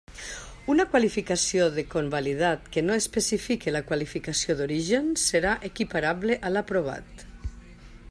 Una qualificació de convalidat que no especifique la qualificació d'origen serà equiparable a l'aprovat.